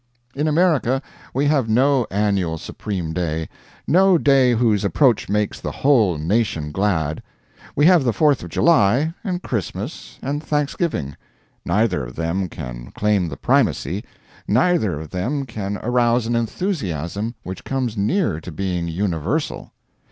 In America we have no annual supreme day; no day whose approach makes the whole nation glad. We have the Fourth of July, and Christmas, and Thanksgiving. Neither of them can claim the primacy; neither of them can arouse an enthusiasm which comes near to being universal.